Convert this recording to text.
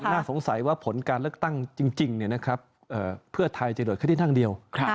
ก็น่าสงสัยว่าผลการเลือกตั้งจริงเนี่ยนะครับเอ่อเพื่อไทยจะโดดแค่ที่นั่งเดียว